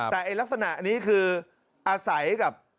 แต่ลักษณะนี้คืออาศัยกับ